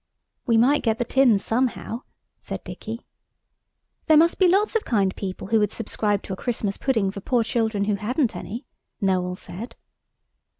"We might get the tin somehow," said Dicky. "There must be lots of kind people who would subscribe to a Christmas pudding for poor children who hadn't any," Noël said.